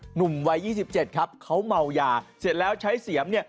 หนุ่มวัย๒๗ครับเขาเมายาเสร็จแล้วใช้เสียมเนี่ย